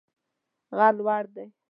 غر لوړ دی